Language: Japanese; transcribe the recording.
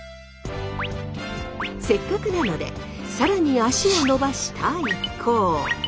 せっかくなので更に足を伸ばした一行。